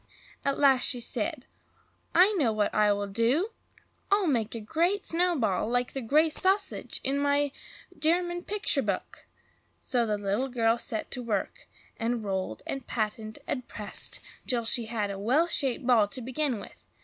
At last she said, "I know what I will do! I'll make a Great Snowball, like the Great Sausage in my German picture book." So the little girl set to work, and rolled and patted and pressed till she had a well shaped ball to begin with.